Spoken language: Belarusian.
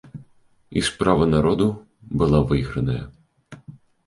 І справа народа была выйграна.